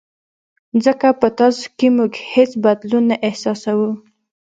ځکه په تاسو کې موږ هېڅ بدلون نه احساسوو.